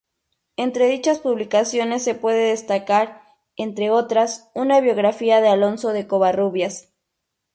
Entre dichas publicaciones, se puede destacar, entre otras, una biografía de Alonso de Covarrubias.